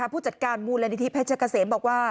ผู้จัดการมูลนิธิเพชรเกษมบอกว่า